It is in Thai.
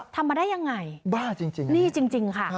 ทำมาได้ยังไงนี่จริงค่ะ